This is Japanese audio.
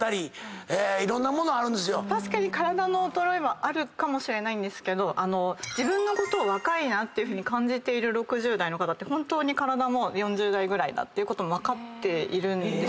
確かに体の衰えはあるかもしれないんですけど自分のことを若いなって感じている６０代の方って本当に体も４０代ぐらいだってことも分かっているんです。